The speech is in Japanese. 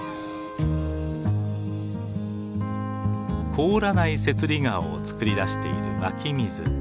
凍らない雪裡川を作り出している湧き水。